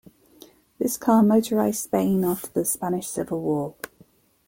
This car motorised Spain after the Spanish Civil War.